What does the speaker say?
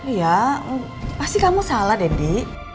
iya pasti kamu salah deddy